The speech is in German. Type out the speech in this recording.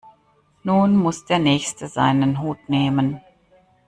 Nun muss der Nächste seinen Hut nehmen.